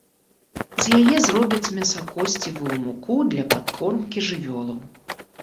З яе зробяць мясакосцевую муку для падкормкі жывёлаў.